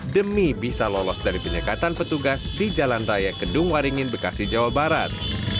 demi bisa lolos dari penyekatan petugas di jalan raya kedung waringin bekasi jawa barat